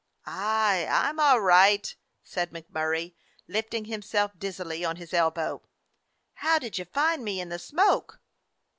"Aye, I 'm all right," said MacMurray, lifting himself dizzily on his elbow. "How did you find me in the smoke?"